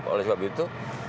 oleh sebab itu